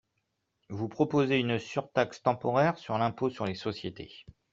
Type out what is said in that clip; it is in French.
Vous proposez une surtaxe temporaire sur l’impôt sur les sociétés.